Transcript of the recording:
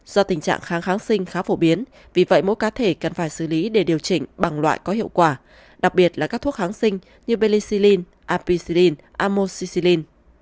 do tình trạng kháng kháng sinh khá phổ biến vì vậy mỗi cá thể cần phải xử lý để điều chỉnh bằng loại có hiệu quả đặc biệt là các thuốc kháng sinh như belsilin apicidin amoshillin